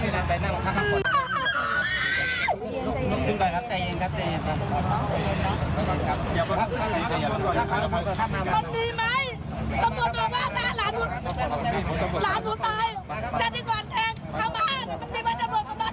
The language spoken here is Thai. แล้วที่กว่าแทนขอเป็นไงมันมีแม่ตำรวจข้างดี